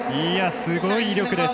すごい威力です。